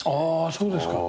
そうですか。